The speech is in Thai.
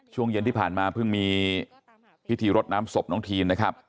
ช่วงเย็นที่ผ่านมาเพิ่งมีพิธีรดน้ำศพน้องทีนนะครับ